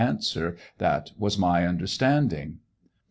That was my understanding.